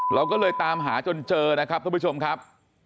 เราก็เลยตามหาจนเจอนะครับทุกผู้ชมครับ